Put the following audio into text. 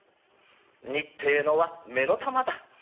二ってえのは目の玉だ」。